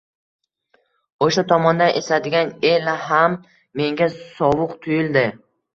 O`sha tomondan esadigan el ham menga sovuq tuyuldi